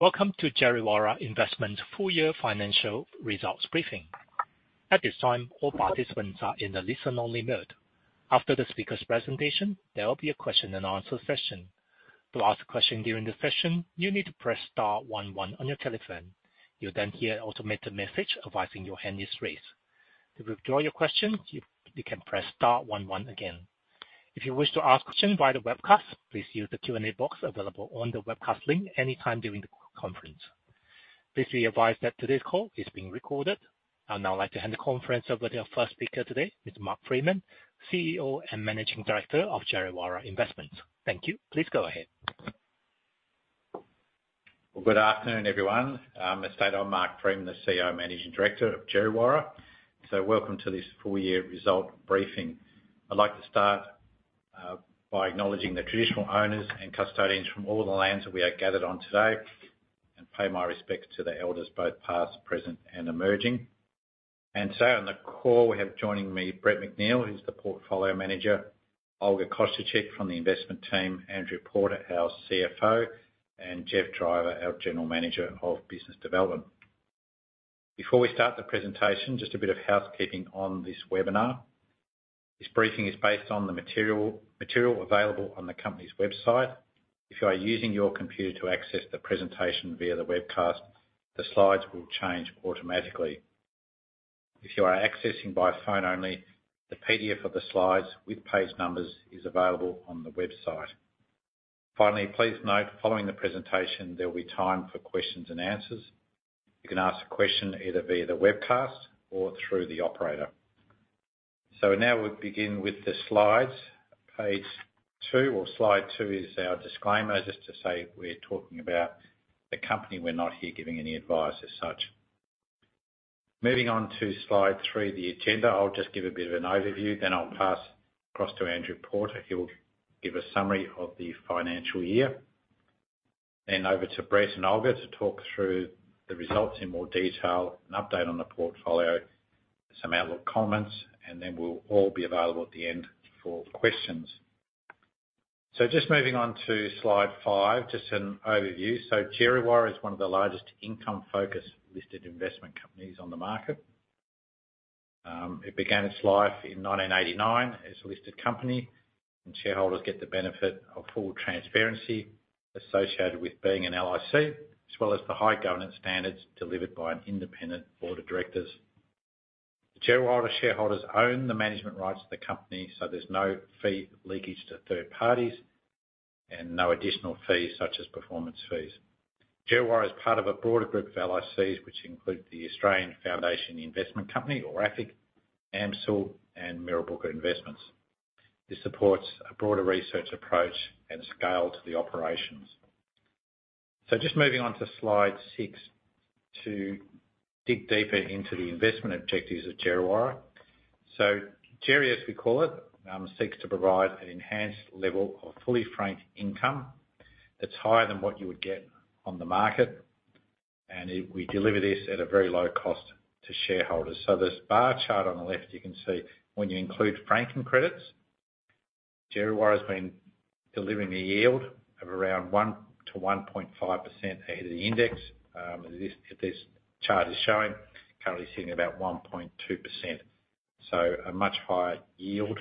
Welcome to Djerriwarrh Investments full year financial results briefing. At this time, all participants are in the listen-only mode. After the speaker's presentation, there will be a question and answer session. To ask a question during the session, you need to press star one one on your telephone. You'll then hear an automated message advising your hand is raised. To withdraw your question, you can press star one one again. If you wish to ask question via the Q&A box available on the webcast link anytime during the conference. Please be advised that today's call is being recorded. I'd now like to hand the conference over to our first speaker today, is Mark Freeman, CEO and Managing Director of Djerriwarrh Investments. Thank you. Please go ahead. Well, good afternoon, everyone. As stated, I'm Mark Freeman, the CEO and Managing Director of Djerriwarrh. Welcome to this full year result briefing. I'd like to start by acknowledging the traditional owners and custodians from all the lands that we are gathered on today, and pay my respects to the elders, both past, present, and emerging. Today on the call, we have joining me, Brett McNeill, who's the Portfolio Manager, Olga Kosciuczyk from the investment team, Andrew Porter, our CFO, and Geoff Driver, our General Manager of Business Development. Before we start the presentation, just a bit of housekeeping on this webinar. This briefing is based on the material available on the company's website. If you are using your computer to access the presentation via the webcast, the slides will change automatically. If you are accessing by phone only, the PDF of the slides with page numbers is available on the website. Finally, please note, following the presentation, there will be time for questions and answers. You can ask a question either via the webcast or through the operator. Now we begin with the slides. Page two or slide two is our disclaimer. Just to say, we're talking about the company, we're not here giving any advice as such. Moving on to slide three, the agenda. I'll just give a bit of an overview, then I'll pass across to Andrew Porter. He'll give a summary of the financial year. i would suprise to talk through the results in more detail and update on the portfolio, some outlook comments, and then we'll all be available at the end for questions. Just moving on to slide 5, just an overview. Djerriwarrh is one of the largest income-focused listed investment companies on the market. It began its life in 1989 as a listed company, and shareholders get the benefit of full transparency associated with being an LIC, as well as the high governance standards delivered by an independent board of directors. The Djerriwarrh shareholders own the management rights of the company, so there's no fee leakage to third parties and no additional fees, such as performance fees. Djerriwarrh is part of a broader group of LICs, which include the Australian Foundation Investment Company, or AFIC, AMCIL and Mirrabooka Investments. This supports a broader research approach and scale to the operations. Just moving on to slide 6, to dig deeper into the investment objectives of Djerriwarrh. Djerri, as we call it, seeks to provide an enhanced level of fully franked income that's higher than what you would get on the market, we deliver this at a very low cost to shareholders. This bar chart on the left, you can see when you include franking credits, Djerriwarrh's been delivering a yield of around 1% to 1.5% ahead of the index. This chart is showing currently sitting at about 1.2%. A much higher yield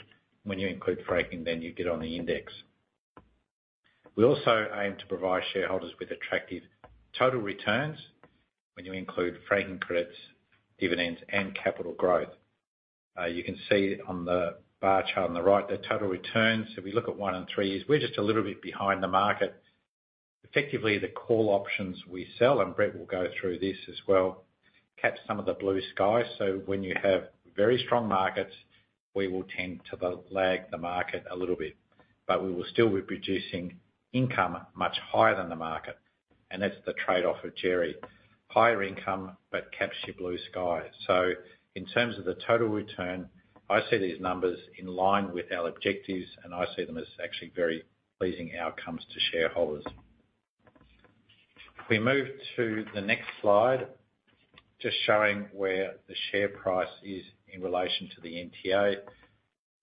when you include franking than you get on the index. We also aim to provide shareholders with attractive total returns when you include franking credits, dividends, and capital growth. You can see on the bar chart on the right, the total returns, if we look at 1 and 3 years, we're just a little bit behind the market. Effectively, the call options we sell, and Brett will go through this as well, catch some of the blue sky. When you have very strong markets, we will tend to lag the market a little bit, but we will still be producing income much higher than the market, and that's the trade-off of Djerri: higher income, but catch your blue sky. In terms of the total return, I see these numbers in line with our objectives, and I see them as actually very pleasing outcomes to shareholders. We move to the next slide, just showing where the share price is in relation to the NTA.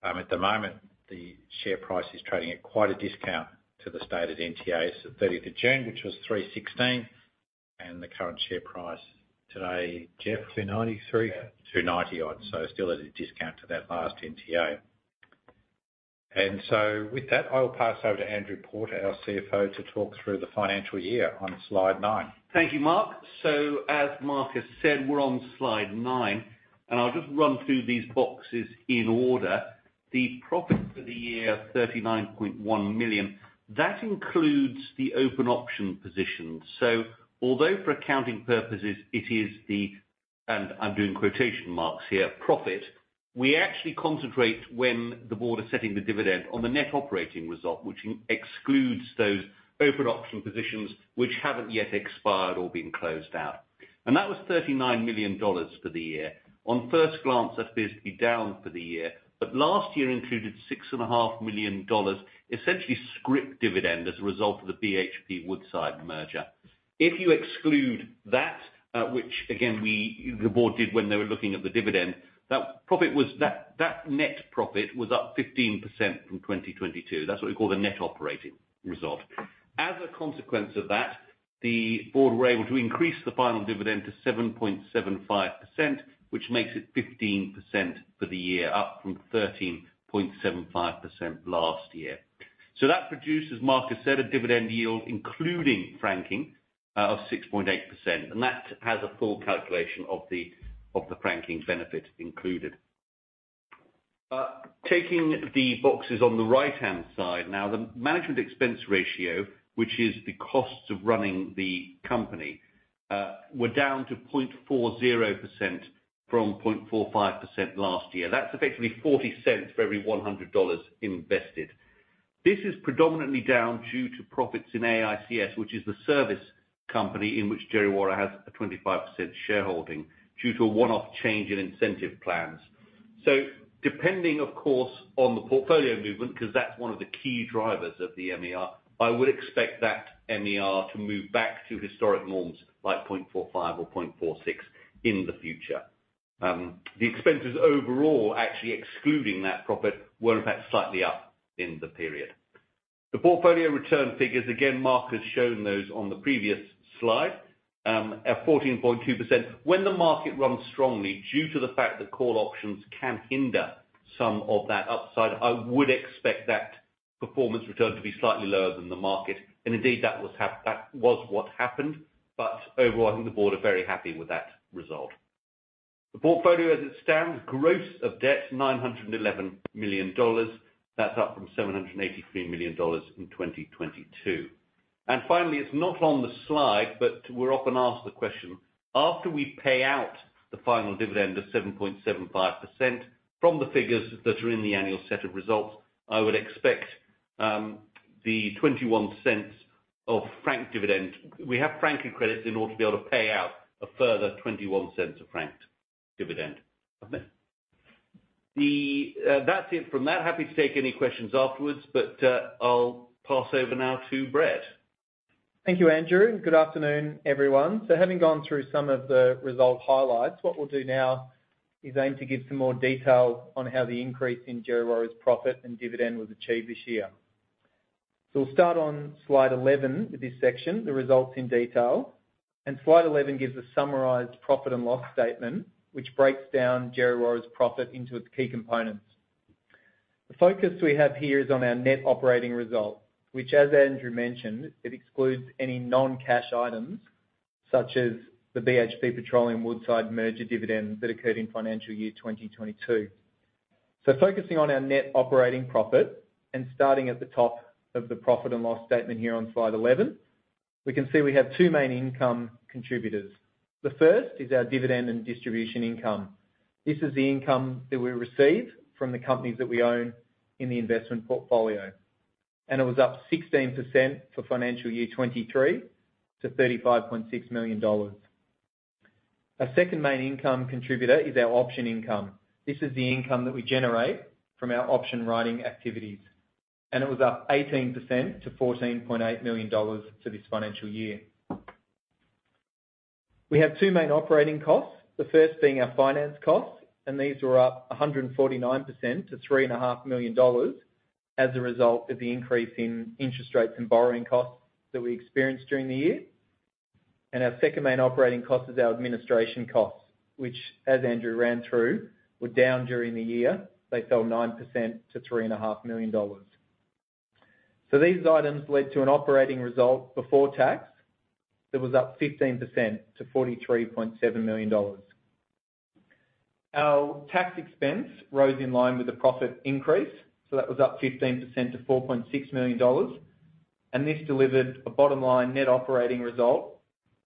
At the moment, the share price is trading at quite a discount to the stated NTAs at 30th of June, which was 3.16, and the current share price today, Geoff 293. 2.90 odds, so still at a discount to that last NTA. With that, I will pass over to Andrew Porter, our CFO, to talk through the financial year on slide 9. Thank you, Mark. As Mark has said, we're on slide 9, and I'll just run through these boxes in order. The profit for the year, 39.1 million, that includes the open option position. Although for accounting purposes, it is the, and I'm doing quotation marks here, "profit," we actually concentrate when the board is setting the dividend on the net operating result, which excludes those open option positions which haven't yet expired or been closed out. That was 39 million dollars for the year. On first glance, that's basically down for the year, but last year included 6.5 million dollars, essentially scrip dividend, as a result of the BHP Woodside merger. If you exclude that, which again, the board did when they were looking at the dividend, that profit was that net profit was up 15% from 2022. That's what we call the net operating result. As a consequence of that, the board were able to increase the final dividend to 7.75%, which makes it 15% for the year, up from 13.75% last year. That produces, Mark has said, a dividend yield, including franking, of 6.8%, and that has a full calculation of the, of the franking benefit included. Taking the boxes on the right-hand side, now, the management expense ratio, which is the costs of running the company, were down to 0.40% from 0.45% last year. That's effectively 0.40 for every 100 dollars invested. This is predominantly down due to profits in AICS, which is the service company in which Djerriwarrh has a 25% shareholding due to a one-off change in incentive plans. Depending, of course, on the portfolio movement, 'cause that's one of the key drivers of the MER, I would expect that MER to move back to historic norms by 0.45 or 0.46 in the future. The expenses overall, actually excluding that profit, were in fact slightly up in the period. The portfolio return figures, again, Mark has shown those on the previous slide, at 14.2%. When the market runs strongly, due to the fact that call options can hinder some of that upside, I would expect that performance return to be slightly lower than the market. Indeed, that was what happened. Overall, I think the board are very happy with that result. The portfolio, as it stands, gross of debt, 911 million dollars. That's up from 783 million dollars in 2022. Finally, it's not on the slide, but we're often asked the question, after we pay out the final dividend of 7.75% from the figures that are in the annual set of results, I would expect the 0.21 of franked dividend. We have franking credits in order to be able to pay out a further 0.21 of franked dividend. Okay. That's it from that. Happy to take any questions afterwards, but I'll pass over now to Brett. Thank you, Andrew. Good afternoon, everyone. Having gone through some of the result highlights, what we'll do now is aim to give some more detail on how the increase in Djerriwarrh's profit and dividend was achieved this year. We'll start on slide 11 with this section, the results in detail. Slide 11 gives a summarized profit and loss statement, which breaks down Djerriwarrh's profit into its key components. The focus we have here is on our net operating result, which, as Andrew mentioned, it excludes any non-cash items such as the BHP Petroleum Woodside merger dividend that occurred in financial year 2022. Focusing on our net operating profit, starting at the top of the profit and loss statement here on slide 11, we can see we have two main income contributors. The first is our dividend and distribution income. This is the income that we receive from the companies that we own in the investment portfolio, it was up 16% for financial year 2023 to 35.6 million dollars. Our second main income contributor is our option income. This is the income that we generate from our option writing activities, it was up 18% to 14.8 million dollars for this financial year. We have two main operating costs, the first being our finance costs, these were up 149% to three and a half million dollars as a result of the increase in interest rates and borrowing costs that we experienced during the year. Our second main operating cost is our administration costs, which, as Andrew ran through, were down during the year. They fell 9% to three and a half million dollars. These items led to an operating result before tax that was up 15% to 43.7 million dollars. Our tax expense rose in line with the profit increase, that was up 15% to 4.6 million dollars, and this delivered a bottom-line net operating result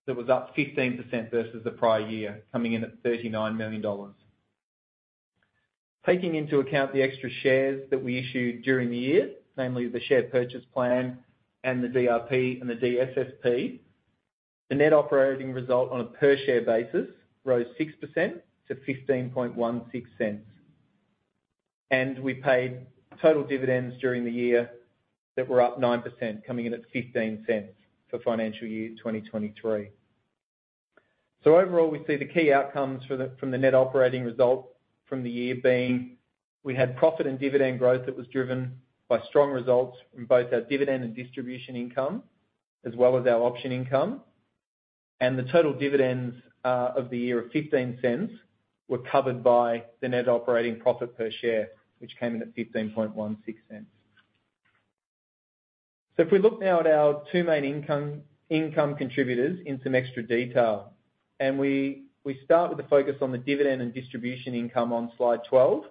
that was up 15% versus the prior year, coming in at 39 million dollars. Taking into account the extra shares that we issued during the year, namely the share purchase plan and the DRP and the DSSP, the net operating result on a per-share basis rose 6% to 0.1516. We paid total dividends during the year that were up 9%, coming in at 0.15 for financial year 2023. Overall, we see the key outcomes for the, from the net operating results from the year being: we had profit and dividend growth that was driven by strong results from both our dividend and distribution income, as well as our option income. The total dividends of the year of 0.15 were covered by the net operating profit per share, which came in at 0.1516. If we look now at our two main income contributors in some extra detail, and we start with the focus on the dividend and distribution income on slide 12,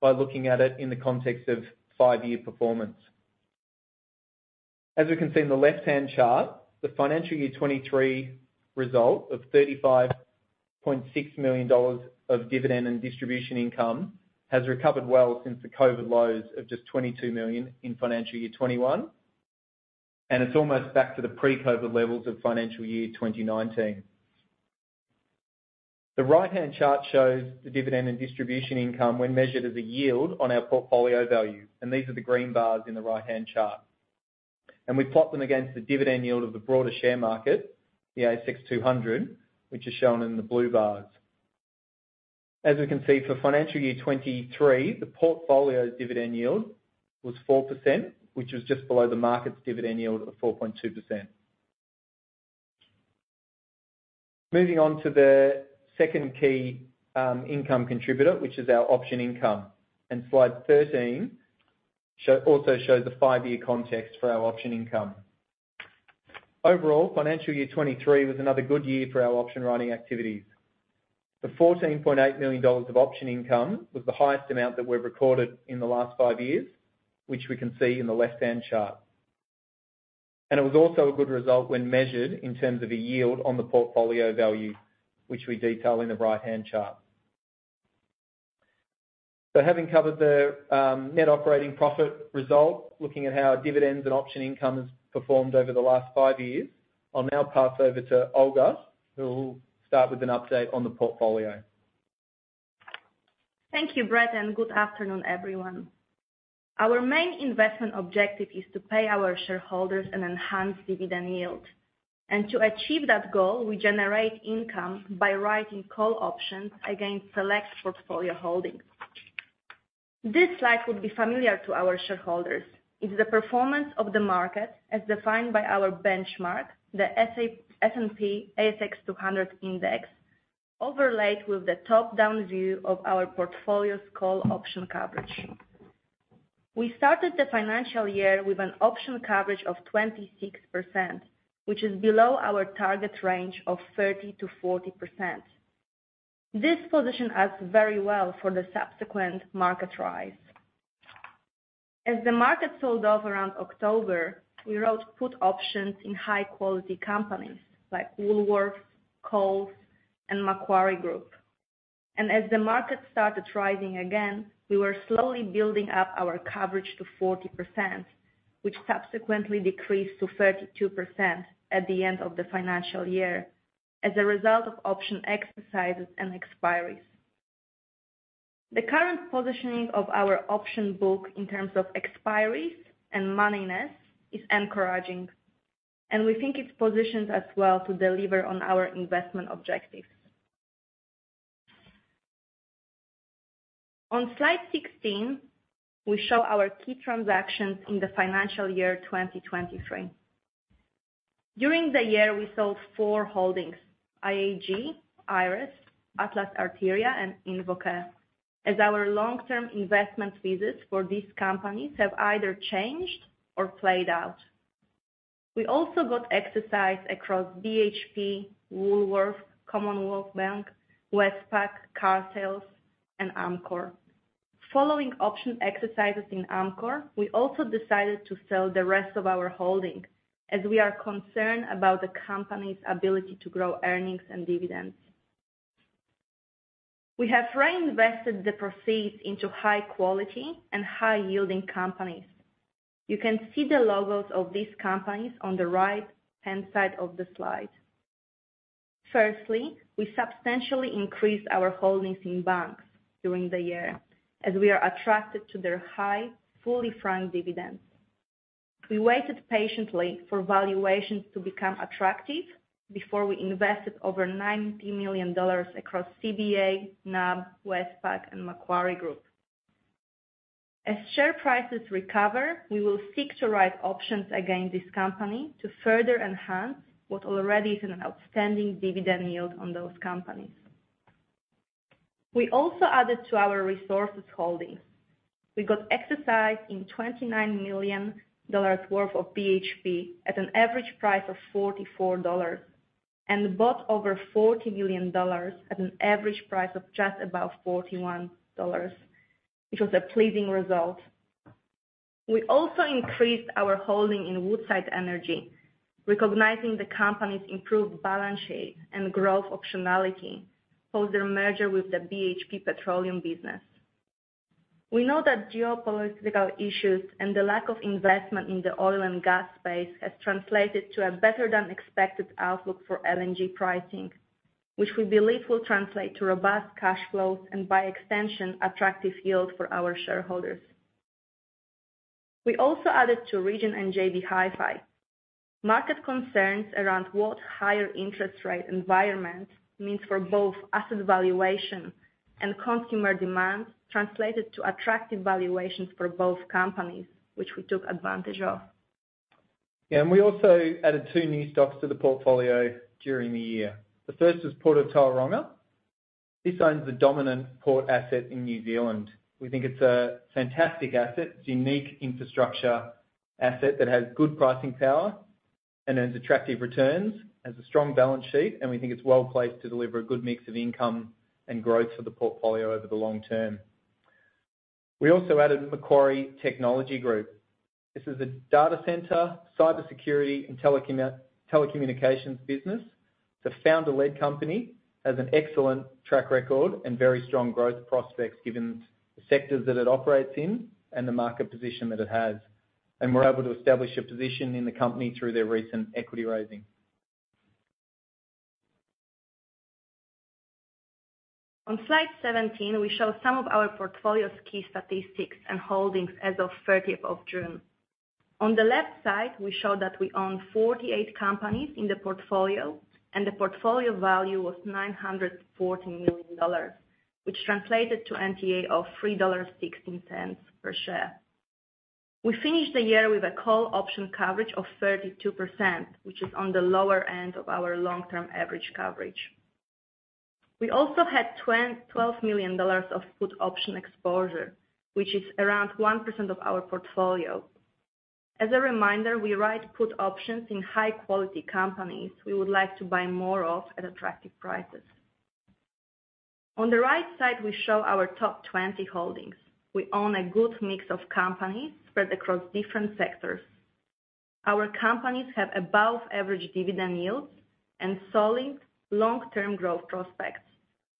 by looking at it in the context of five-year performance. As we can see in the left-hand chart, the financial year 2023 result of $35.6 million of dividend and distribution income has recovered well since the COVID lows of just $22 million in financial year 2021. It's almost back to the pre-COVID levels of financial year 2019. The right-hand chart shows the dividend and distribution income when measured as a yield on our portfolio value, and these are the green bars in the right-hand chart. We plot them against the dividend yield of the broader share market, the ASX 200, which is shown in the blue bars. As we can see, for financial year 2023, the portfolio's dividend yield was 4%, which was just below the market's dividend yield of 4.2%. Moving on to the second key income contributor, which is our option income. Slide 13 also shows the five-year context for our option income. Overall, financial year 2023 was another good year for our option writing activities. The 14.8 million dollars of option income was the highest amount that we've recorded in the last five years, which we can see in the left-hand chart. It was also a good result when measured in terms of a yield on the portfolio value, which we detail in the right-hand chart. Having covered the net operating profit result, looking at how our dividends and option income has performed over the last five years, I'll now pass over to Olga, who will start with an update on the portfolio. Thank you, Brett, good afternoon, everyone. Our main investment objective is to pay our shareholders an enhanced dividend yield. To achieve that goal, we generate income by writing call options against select portfolio holdings. This slide would be familiar to our shareholders. It's the performance of the market as defined by our benchmark, the S&P/ASX 200 Index, overlaid with the top-down view of our portfolio's call option coverage. We started the financial year with an option coverage of 26%, which is below our target range of 30%-40%. This positioned us very well for the subsequent market rise. As the market sold off around October, we wrote put options in high-quality companies like Woolworths, Coles, and Macquarie Group. As the market started rising again, we were slowly building up our coverage to 40%, which subsequently decreased to 32% at the end of the financial year as a result of option exercises and expiries. The current positioning of our option book in terms of expiries and moneyness is encouraging, and we think it's positioned us well to deliver on our investment objectives. On Slide 16, we show our key transactions in the financial year 2023. During the year, we sold 4 holdings: IAG, Iress, Atlas Arteria, and InvoCare. As our long-term investment thesis for these companies have either changed or played out. We also got exercise across BHP, Woolworths, Commonwealth Bank, Westpac, CarSales, and Amcor. Following option exercises in Amcor, we also decided to sell the rest of our holdings, as we are concerned about the company's ability to grow earnings and dividends. We have reinvested the proceeds into high quality and high yielding companies. You can see the logos of these companies on the right-hand side of the slide. Firstly, we substantially increased our holdings in banks during the year as we are attracted to their high, fully franked dividends. We waited patiently for valuations to become attractive before we invested over 90 million dollars across CBA, NAB, Westpac, and Macquarie Group. As share prices recover, we will seek to write options against this company to further enhance what already is an outstanding dividend yield on those companies. We also added to our resources holdings. We got exercise in 29 million dollars worth of BHP at an average price of 44 dollars and bought over 40 million dollars at an average price of just above 41 dollars, which was a pleasing result. We also increased our holding in Woodside Energy, recognizing the company's improved balance sheet and growth optionality post their merger with the BHP Petroleum business. We know that geopolitical issues and the lack of investment in the oil and gas space has translated to a better than expected outlook for LNG pricing, which we believe will translate to robust cash flows and, by extension, attractive yield for our shareholders. We also added to Region and JB Hi-Fi. Market concerns around what higher interest rate environment means for both asset valuation and consumer demand translated to attractive valuations for both companies, which we took advantage of. We also added two new stocks to the portfolio during the year. The first was Port of Tauranga. This owns the dominant port asset in New Zealand. We think it's a fantastic asset, unique infrastructure asset that has good pricing power and has attractive returns, has a strong balance sheet, and we think it's well placed to deliver a good mix of income and growth for the portfolio over the long term. We also added Macquarie Technology Group. This is a data center, cybersecurity, and telecommunications business. It's a founder-led company, has an excellent track record, and very strong growth prospects, given the sectors that it operates in and the market position that it has. We're able to establish a position in the company through their recent equity raising. On Slide 17, we show some of our portfolio's key statistics and holdings as of 30th of June. On the left side, we show that we own 48 companies in the portfolio, and the portfolio value was 940 million dollars, which translated to NTA of 3.16 dollars per share. We finished the year with a call option coverage of 32%, which is on the lower end of our long-term average coverage. We also had 12 million dollars of put option exposure, which is around 1% of our portfolio. As a reminder, we write put options in high-quality companies we would like to buy more of at attractive prices. On the right side, we show our top 20 holdings. We own a good mix of companies spread across different sectors. Our companies have above-average dividend yields and solid long-term growth prospects,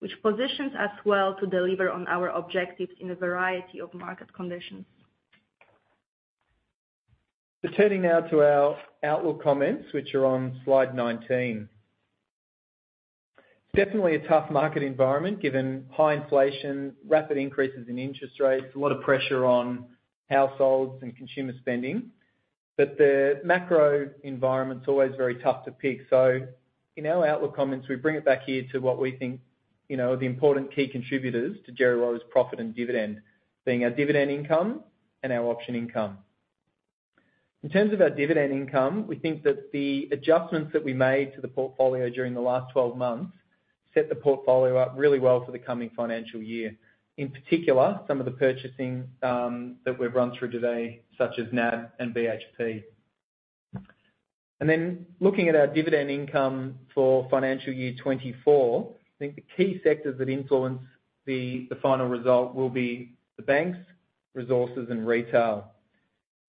which positions us well to deliver on our objectives in a variety of market conditions. Turning now to our outlook comments, which are on slide 19. Definitely a tough market environment, given high inflation, rapid increases in interest rates, a lot of pressure on households and consumer spending, but the macro environment's always very tough to pick. In our outlook comments, we bring it back here to what we think, you know, are the important key contributors to Djerriwarrh's profit and dividend, being our dividend income and our option income. In terms of our dividend income, we think that the adjustments that we made to the portfolio during the last 12 months, set the portfolio up really well for the coming financial year. In particular, some of the purchasing that we've run through today, such as NAB and BHP. Looking at our dividend income for financial year 2024, I think the key sectors that influence the final result will be the banks, resources, and retail.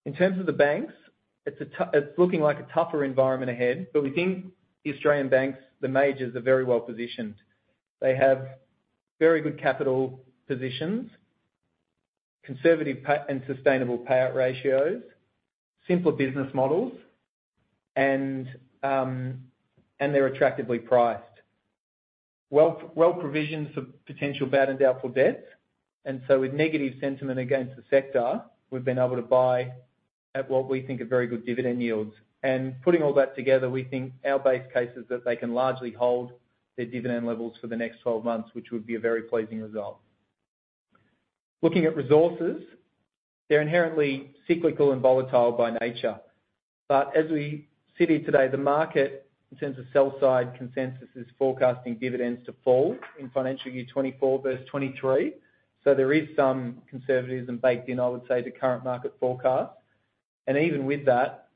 In terms of the banks, it's looking like a tougher environment ahead, but we think the Australian banks, the majors, are very well positioned. They have very good capital positions, conservative and sustainable payout ratios, simpler business models, and they're attractively priced. Well provisions for potential bad and doubtful debts, and so with negative sentiment against the sector, we've been able to buy at what we think are very good dividend yields. Putting all that together, we think our base case is that they can largely hold their dividend levels for the next 12 months, which would be a very pleasing result. Looking at resources, they're inherently cyclical and volatile by nature. As we sit here today, the market, in terms of sell-side consensus, is forecasting dividends to fall in financial year 2024 versus 2023. There is some conservatism baked in, I would say, to current market forecast. Even with that,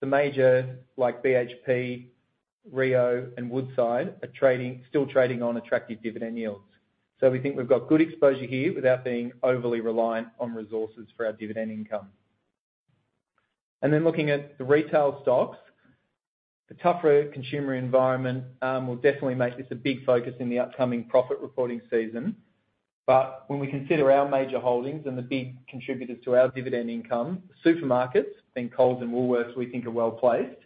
the majors like BHP, Rio, and Woodside are still trading on attractive dividend yields. We think we've got good exposure here without being overly reliant on resources for our dividend income. Looking at the retail stocks, the tougher consumer environment will definitely make this a big focus in the upcoming profit reporting season. When we consider our major holdings and the big contributors to our dividend income, supermarkets, Coles and Woolworths, we think, are well placed.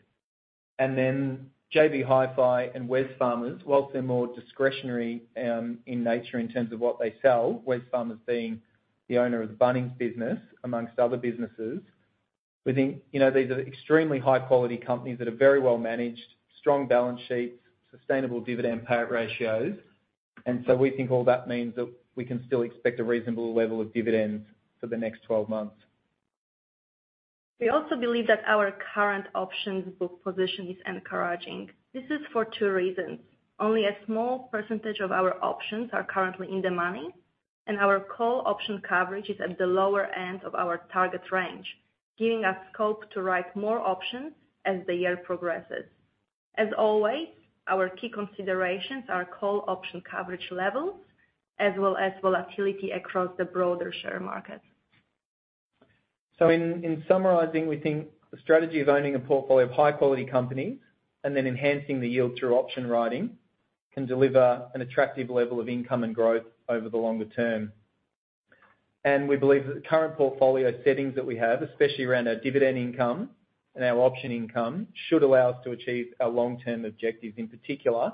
JB Hi-Fi and Wesfarmers, whilst they're more discretionary, in nature in terms of what they sell, Wesfarmers being the owner of the Bunnings business, amongst other businesses. We think, you know, these are extremely high-quality companies that are very well managed, strong balance sheets, sustainable dividend payout ratios. We think all that means that we can still expect a reasonable level of dividends for the next 12 months. We also believe that our current options book position is encouraging. This is for 2 reasons: only a small percentage of our options are currently in the money, and our call option coverage is at the lower end of our target range, giving us scope to write more options as the year progresses. As always, our key considerations are call option coverage levels, as well as volatility across the broader share market. In summarizing, we think the strategy of owning a portfolio of high-quality companies and then enhancing the yield through option writing, can deliver an attractive level of income and growth over the longer term. We believe that the current portfolio settings that we have, especially around our dividend income and our option income, should allow us to achieve our long-term objectives, in particular,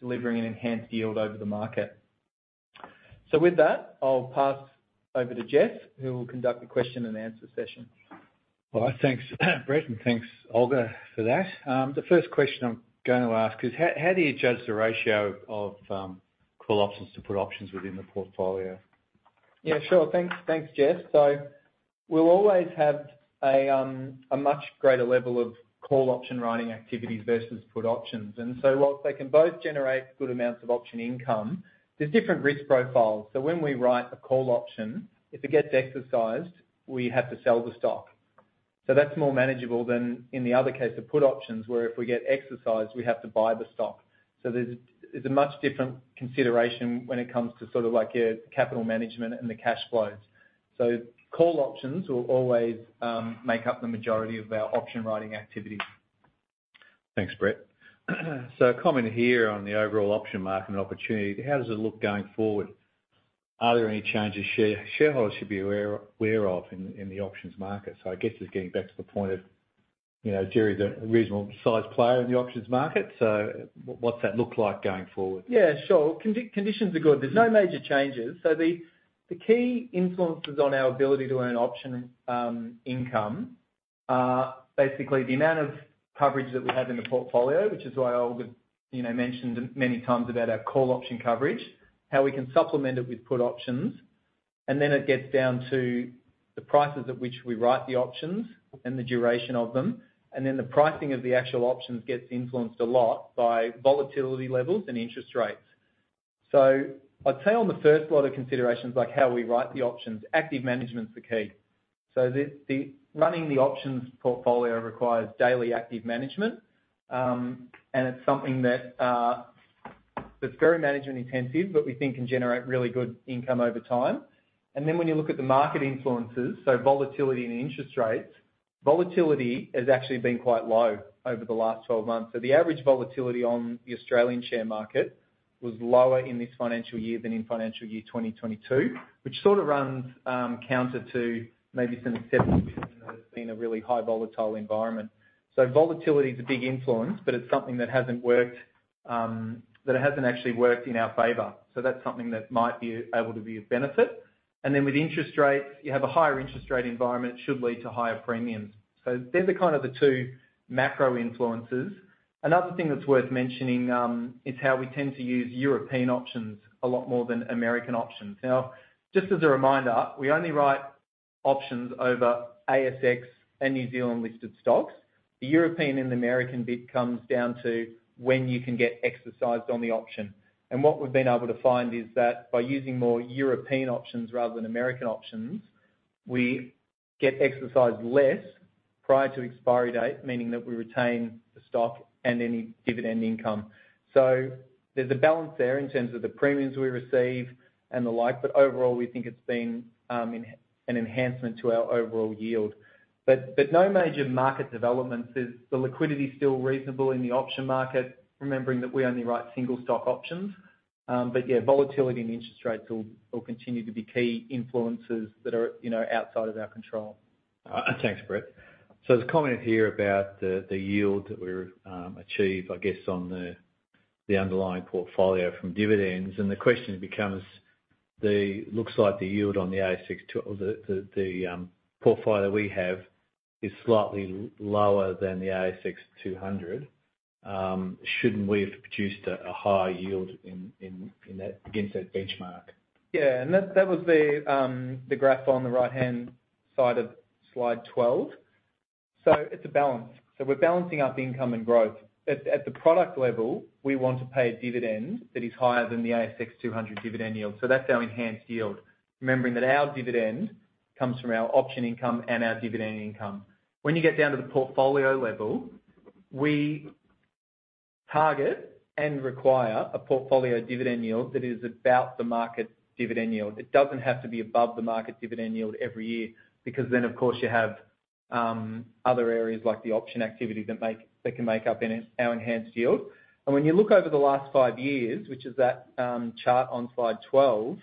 delivering an enhanced yield over the market. With that, I'll pass over to Geoff, who will conduct the question and answer session. Thanks, Brett, and thanks, Olga, for that. The first question I'm going to ask is: How do you judge the ratio of call options to put options within the portfolio? Yeah, sure. Thanks. Thanks, Geoff. We'll always have a much greater level of call option writing activities versus put options. While they can both generate good amounts of option income, there's different risk profiles. When we write a call option, if it gets exercised, we have to sell the stock. That's more manageable than in the other case, the put options, where if we get exercised, we have to buy the stock. It's a much different consideration when it comes to sort of like your capital management and the cash flows. Call options will always make up the majority of our option-writing activities. Thanks, Brett. A comment here on the overall option market and opportunity, how does it look going forward? Are there any changes shareholders should be aware of in the options market? I guess it's getting back to the point. you know, Djerriwarrh a reasonable-sized player in the options market, what's that look like going forward? Yeah, sure. Conditions are good. There's no major changes. The key influences on our ability to earn option income are basically the amount of coverage that we have in the portfolio, which is why I would, you know, mention many times about our call option coverage, how we can supplement it with put options. Then it gets down to the prices at which we write the options and the duration of them, and then the pricing of the actual options gets influenced a lot by volatility levels and interest rates. I'd say on the first lot of considerations, like how we write the options, active management's the key. The running the options portfolio requires daily active management, and it's something that's very management intensive, but we think can generate really good income over time. When you look at the market influences, so volatility and interest rates, volatility has actually been quite low over the last 12 months. The average volatility on the Australian share market was lower in this financial year than in financial year 2022, which sort of runs counter to maybe some perception that it's been a really high volatile environment. Volatility is a big influence, but it's something that hasn't worked that it hasn't actually worked in our favor. That's something that might be able to be of benefit. With interest rates, you have a higher interest rate environment, it should lead to higher premiums. They're the kind of the two macro influences. Another thing that's worth mentioning is how we tend to use European options a lot more than American options. Now, just as a reminder, we only write options over ASX and New Zealand-listed stocks. The European and American bit comes down to when you can get exercised on the option. What we've been able to find is that by using more European options rather than American options, we get exercised less prior to expiry date, meaning that we retain the stock and any dividend income. There's a balance there in terms of the premiums we receive and the like, but overall, we think it's been an enhancement to our overall yield. No major market developments. The liquidity is still reasonable in the option market, remembering that we only write single stock options. Yeah, volatility and interest rates will continue to be key influences that are, you know, outside of our control. Thanks, Brett. There's a comment here about the yield that we achieve, I guess, on the underlying portfolio from dividends. The question becomes: looks like the yield on the ASX 200 or the portfolio we have is slightly lower than the ASX 200. Shouldn't we have produced a higher yield in that, against that benchmark? Yeah, that was the graph on the right-hand side of slide 12. It's a balance. We're balancing up income and growth. At the product level, we want to pay a dividend that is higher than the ASX 200 dividend yield, that's our enhanced yield. Remembering that our dividend comes from our option income and our dividend income. When you get down to the portfolio level, we target and require a portfolio dividend yield that is about the market dividend yield. It doesn't have to be above the market dividend yield every year, because of course, you have other areas like the option activity that can make up in our enhanced yield. When you look over the last 5 years, which is that chart on slide 12,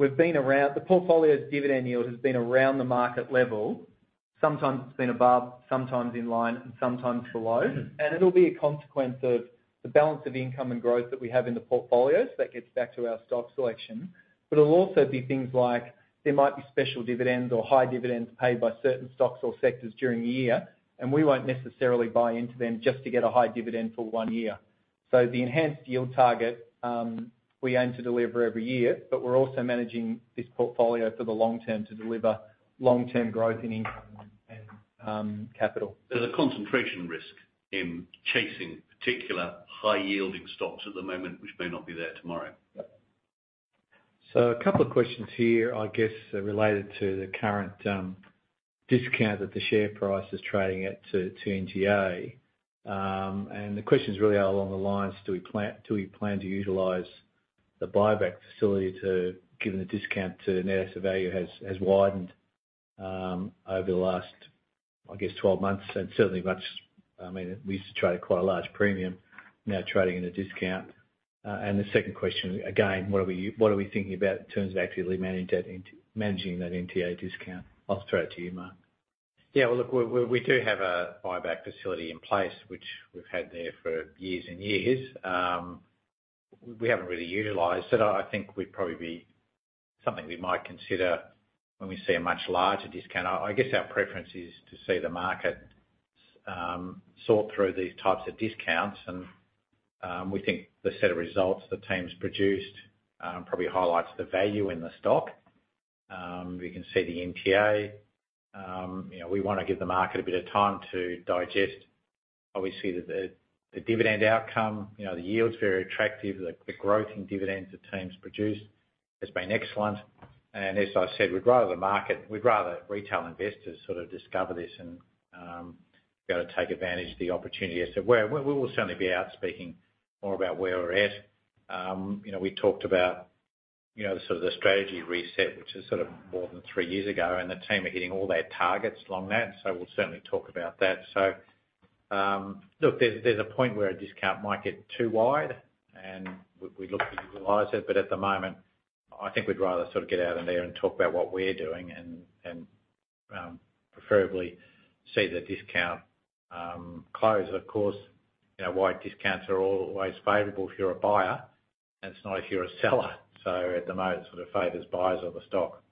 the portfolio's dividend yield has been around the market level. Sometimes it's been above, sometimes in line, and sometimes below. It'll be a consequence of the balance of income and growth that we have in the portfolio. That gets back to our stock selection. It'll also be things like there might be special dividends or high dividends paid by certain stocks or sectors during the year, and we won't necessarily buy into them just to get a high dividend for 1 year. The enhanced yield target, we aim to deliver every year, but we're also managing this portfolio for the long term to deliver long-term growth in income and capital. There's a concentration risk in chasing particular high-yielding stocks at the moment, which may not be there tomorrow. Yep. A couple of questions here, I guess, related to the current discount that the share price is trading at to NTA. The questions really are along the lines. Do we plan to utilize the buyback facility to given the discount to net asset value has widened over the last, I guess, 12 months, and certainly I mean, we used to trade at quite a large premium, now trading in a discount. The second question, again, what are we thinking about in terms of actively managing that NTA discount? I'll throw it to you, Mark. Yeah, well, look, we do have a buyback facility in place, which we've had there for years and years. We haven't really utilized it. I think we'd probably be something we might consider when we see a much larger discount. I guess our preference is to see the market sort through these types of discounts, and we think the set of results the team's produced probably highlights the value in the stock. We can see the NTA. You know, we want to give the market a bit of time to digest. Obviously, the dividend outcome, you know, the yield's very attractive. The growth in dividends the team's produced has been excellent. As I said, we'd rather the market, we'd rather retail investors sort of discover this and be able to take advantage of the opportunity. We will certainly be out speaking more about where we're at. You know, we talked about, you know, sort of the strategy reset, which is sort of more than three years ago, and the team are hitting all their targets along that. We'll certainly talk about that. Look, there's a point where a discount might get too wide, and we look to utilize it. At the moment, I think we'd rather sort of get out of there and talk about what we're doing and preferably see the discount close. Of course, you know, wide discounts are always favorable if you're a buyer, and it's not if you're a seller. At the moment, sort of favors buyers of the stock.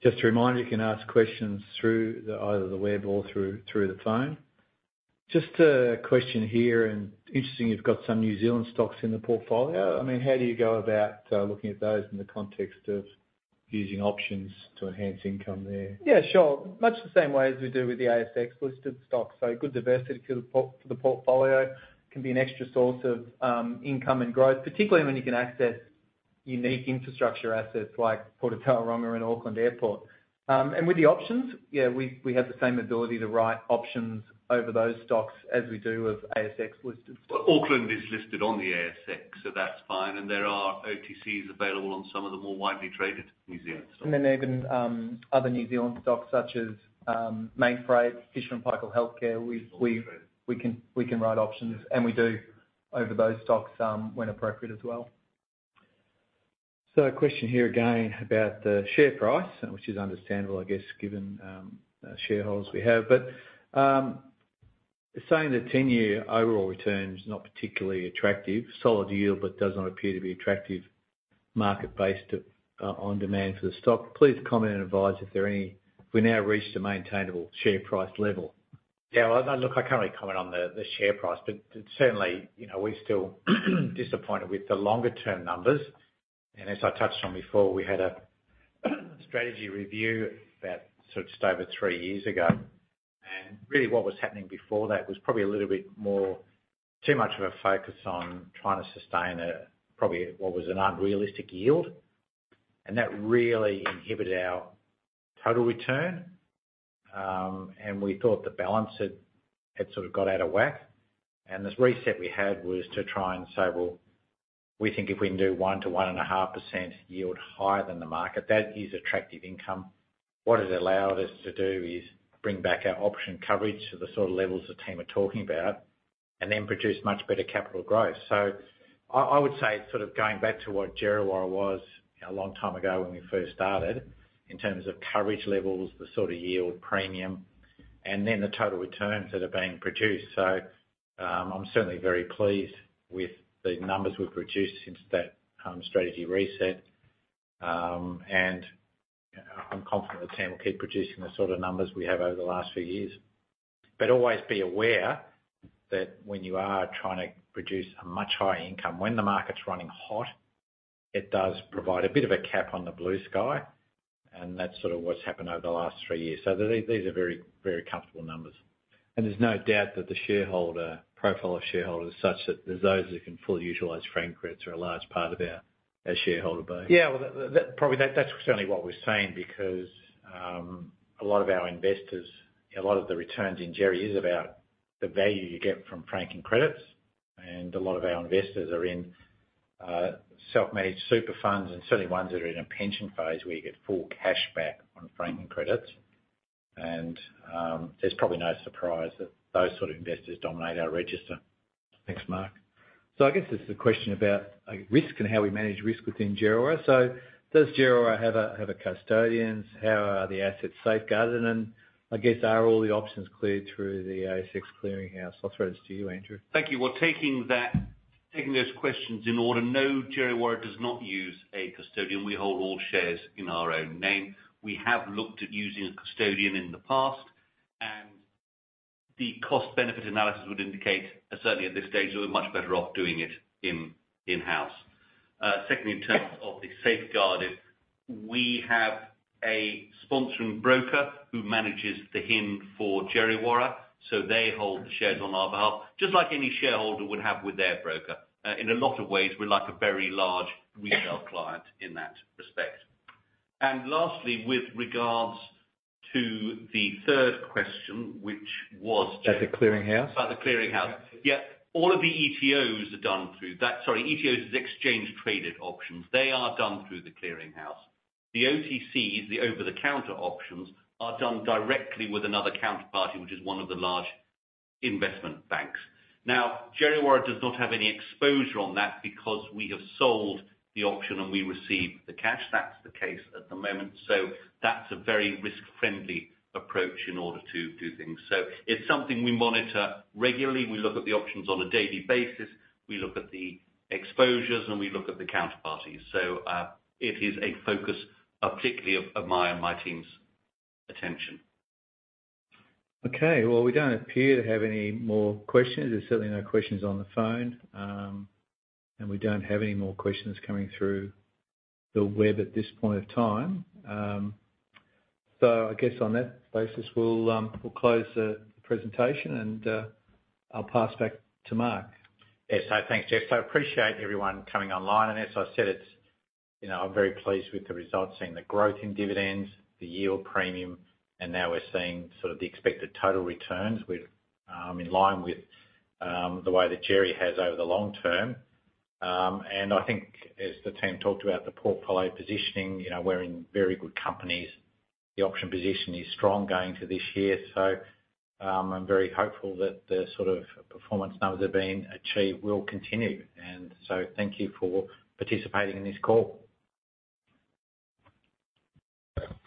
Just a reminder, you can ask questions through the, either the web or through the phone. Just a question here, and interesting, you've got some New Zealand stocks in the portfolio. I mean, how do you go about looking at those in the context of using options to enhance income there? Sure. Much the same way as we do with the ASX-listed stocks. A good diversity to the portfolio can be an extra source of income and growth, particularly when you can access unique infrastructure assets like Port of Tauranga and Auckland Airport. With the options, we have the same ability to write options over those stocks as we do with ASX-listed stocks. Auckland is listed on the ASX, so that's fine, and there are OTCs available on some of the more widely traded New Zealand stocks. There have been, other New Zealand stocks, such as, Mainfreight, Fisher & Paykel Healthcare. We've Mainfreight. We can write options, and we do over those stocks, when appropriate as well. A question here again about the share price, and which is understandable, I guess, given the shareholders we have. Saying the 10-year overall return is not particularly attractive. Solid yield, but does not appear to be attractive market-based on-demand for the stock. Please comment and advise if there are any. We now reached a maintainable share price level. Yeah, well, look, I can't really comment on the share price, but, certainly, you know, we're still disappointed with the longer-term numbers. As I touched on before, we had a strategy review about sort of just over three years ago. Really, what was happening before that, was probably a little bit more, too much of a focus on trying to sustain a, probably what was an unrealistic yield. That really inhibited our total return. We thought the balance had sort of got out of whack. This reset we had was to try and say, "Well, we think if we can do 1% to 1.5% yield higher than the market, that is attractive income." What it allowed us to do is bring back our option coverage to the sort of levels the team are talking about, and then produce much better capital growth. I would say sort of going back to what Djerri was a long time ago when we first started, in terms of coverage levels, the sort of yield premium, and then the total returns that are being produced. I'm certainly very pleased with the numbers we've produced since that strategy reset. I'm confident the team will keep producing the sort of numbers we have over the last few years. Always be aware that when you are trying to produce a much higher income, when the market's running hot, it does provide a bit of a cap on the blue sky, and that's sort of what's happened over the last 3 years. These are very, very comfortable numbers. There's no doubt that the shareholder, profile of shareholders is such that there's those that can fully utilize franking credits are a large part of our shareholder base. Yeah, well, probably, that's certainly what we're seeing because a lot of our investors, a lot of the returns in Djerri is about the value you get from franking credits. A lot of our investors are in self-managed super funds, and certainly ones that are in a pension phase, where you get full cash back on franking credits. There's probably no surprise that those sort of investors dominate our register. Thanks, Mark. I guess this is a question about, like, risk and how we manage risk within Djerri. Does Djerri have a custodian? How are the assets safeguarded? I guess, are all the options cleared through the ASX Clearing House? I'll throw this to you, Andrew. Thank you. Well, taking those questions in order, no, Djerriwarrh does not use a custodian. We hold all shares in our own name. We have looked at using a custodian in the past, and the cost-benefit analysis would indicate, certainly at this stage, we're much better off doing it in-house. Secondly, in terms of the safeguard, we have a sponsoring broker who manages the HIN for Djerriwarrh, so they hold the shares on our behalf, just like any shareholder would have with their broker. In a lot of ways, we're like a very large retail client in that respect. Lastly, with regards to the third question, which was at the clearinghouse? At the clearinghouse. Yeah, all of the ETOs are done through that. ETO is Exchange Traded Options. They are done through the clearinghouse. The OTC, the over-the-counter options, are done directly with another counterparty, which is one of the large investment banks. Djerri does not have any exposure on that, because we have sold the option, and we receive the cash. That's the case at the moment. That's a very risk-friendly approach in order to do things. It's something we monitor regularly. We look at the options on a daily basis, we look at the exposures, and we look at the counterparties. It is a focus, particularly of my and my team's attention. Okay. Well, we don't appear to have any more questions. There's certainly no questions on the phone, and we don't have any more questions coming through the web at this point of time. I guess on that basis, we'll close the presentation, and I'll pass back to Mark. Yes. Thanks, Jeff. I appreciate everyone coming online, and as I said, it's, you know, I'm very pleased with the results, seeing the growth in dividends, the yield premium, and now we're seeing sort of the expected total returns. We're in line with the way that Djerri has over the long term. I think as the team talked about the portfolio positioning, you know, we're in very good companies. The option position is strong going into this year. I'm very hopeful that the sort of performance numbers that are being achieved will continue. Thank you for participating in this call.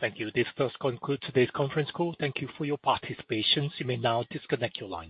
Thank you. This does conclude today's Conference Call. Thank you for your participation. You may now disconnect your line.